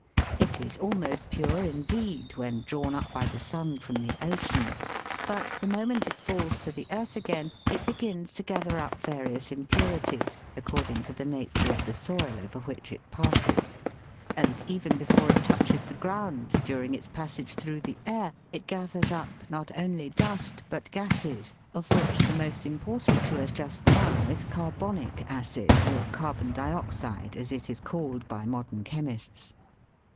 It is almost pure, indeed, when drawn up by the sun from the ocean, but, the moment it falls to the earth again it begins to gather up various impurities, according to the nature of the soil over which it passes; and even before it touches the ground, during its passage through the air, it gathers up, not only dust, but gases, of which the most important to us just now is carbonic acid, or carbon dioxide, as it is called by modern chemists.